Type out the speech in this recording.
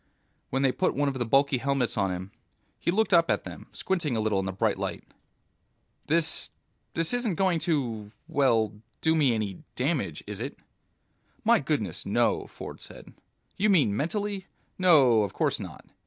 When they put one of the bulky helmets on him, he looked up at them, squinting a little in the bright light. "This ... this isn't going to ... well, do me any damage, is it?" "My goodness, no," Ford said. "You mean mentally? No, of course not.